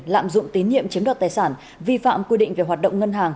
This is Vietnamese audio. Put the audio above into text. lạm dụng tín nhiệm chiếm đoạt tài sản vi phạm quy định về hoạt động ngân hàng